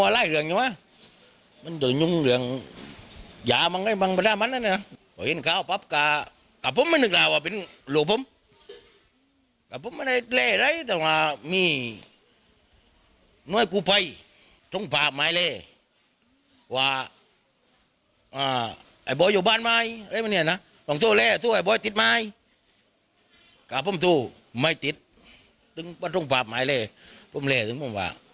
แล้วพอมีผู้หญิงโดยบ่นมาเข้ามาแล้วเพื่อมาเจอของบางผู้เขาต้องมาถูกไหว